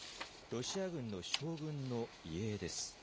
ロシア軍の将軍の遺影です。